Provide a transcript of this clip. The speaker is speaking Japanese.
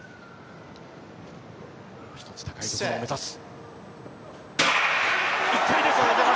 一つ高いところを目指す。